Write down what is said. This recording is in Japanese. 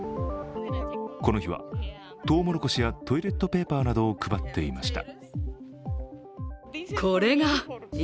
この日はとうもろこしやトイレットペーパーなどを配っていました。